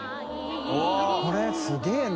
これすげぇな。